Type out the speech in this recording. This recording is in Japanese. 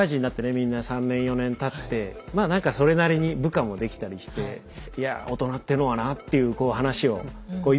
みんな３年４年たってまあなんかそれなりに部下もできたりして「いや大人っていうのはな」っていう話をいっぱいされるので。